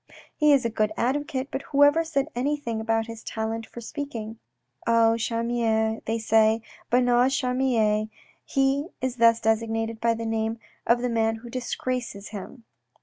He is a good advocate, but whoever said anything about his talent for speaking ?' Oh, Charmier,' they say, 1 Bernard's Charmier,' he is thus designated by the name of the man who disgraces him."